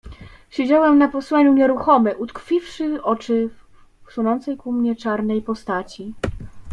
"Siedziałem na posłaniu nieruchomy, utkwiwszy oczy w sunącej ku mnie czarnej postaci."